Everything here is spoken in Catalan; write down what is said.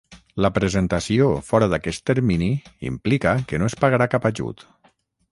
La presentació fora d'aquest termini implica que no es pagarà cap ajut.